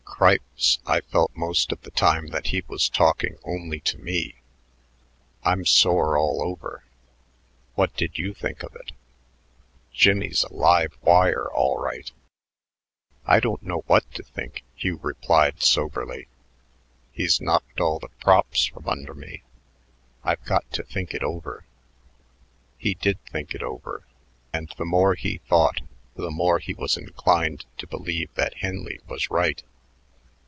"Cripes, I felt most of the time that he was talking only to me. I'm sore all over. What did you think of it? Jimmie's a live wire, all right." "I don't know what to think," Hugh replied soberly. "He's knocked all the props from under me. I've got to think it over." He did think it over, and the more he thought the more he was inclined to believe that Henley was right.